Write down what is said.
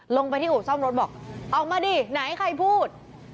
ลงไปที่อู่ซ่อมรถบอกออกมาดิไหนใครพูด